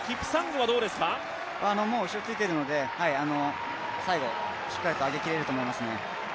後ろについているので、最後しっかりと上げきれると思いますね。